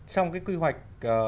trong cái quy hoạch